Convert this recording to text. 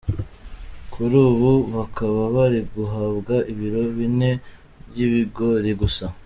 Kuri ubu bakaba bari guhabwa ibiro bine by’ibigori gusa.